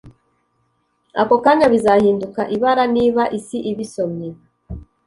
Ako kanya bizahinduka ibara niba isi ibisomye